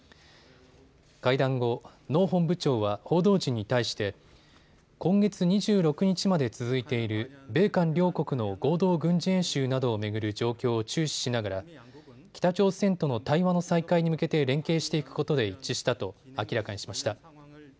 会談後、ノ本部長は報道陣に対して今月２６日まで続いている米韓両国の合同軍事演習などを巡る状況を注視しながら北朝鮮との対話の再開に向けて連携していくことで一致したと明らかにしました。